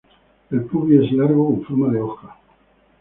El pubis es largo con forma de hoja.